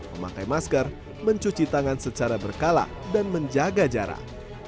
memakai masker mencuci tangan secara berkala dan menjaga jarak